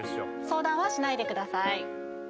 相談はしないでください。